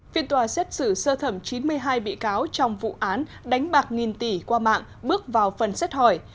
phiên tòa xét xử sơ thẩm chín mươi hai bị cáo trong vụ án đánh bạc nghìn tỷ qua mạng bước vào phần xét hỏi